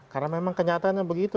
karena memang kenyataannya begitu